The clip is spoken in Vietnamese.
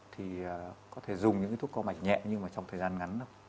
thì có thể dùng những cái thuốc co mạch nhẹ nhưng mà trong thời gian ngắn